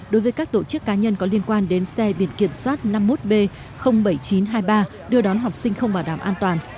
đối với các tổ chức cá nhân có liên quan đến xe biển kiểm soát năm mươi một b bảy nghìn chín trăm hai mươi ba đưa đón học sinh không bảo đảm an toàn